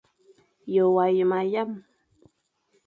Ye wa yeme yame.